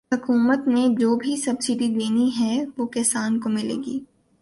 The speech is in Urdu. حکومت نے جو بھی سبسڈی دینی ہے وہ کسان کو ملے گی